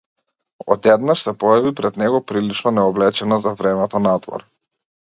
Одеднаш се појави пред него прилично необлечена за времето надвор.